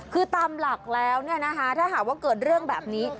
คือตามหลักแล้วถ้าหากว่าเกิดเรื่องแบบนี้